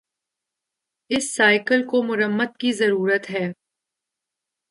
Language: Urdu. اس سائیکل کو مرمت کی ضرورت ہے